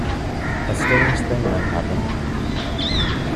A strange thing then happened.